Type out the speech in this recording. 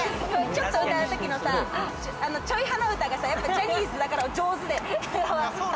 ちょっと歌うときのさ、ちょい鼻歌がさ、やっぱジャニーズだから上手だよ。